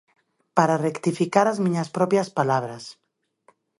Para rectificar as miñas propias palabras.